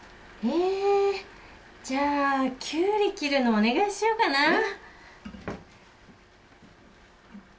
えじゃあキュウリ切るのお願いしようかな。